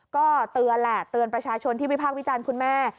ก็เตือนแหละเตือนประชาชนที่วิพากษ์วิจารณ์คุณแม่